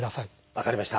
分かりました。